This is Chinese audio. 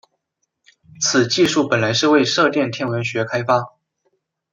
此技术本来是为射电天文学开发。